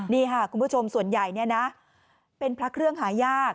นี่ค่ะคุณผู้ชมส่วนใหญ่เนี่ยนะเป็นพระเครื่องหายาก